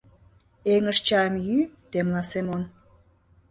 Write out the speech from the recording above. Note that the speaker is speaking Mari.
— Эҥыж чайым йӱ, — темла Семон.